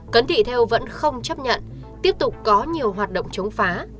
cấn thị theo vẫn không chấp nhận tiếp tục có nhiều hoạt động chống phá